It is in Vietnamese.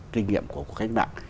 kinh nghiệm của các nhân dân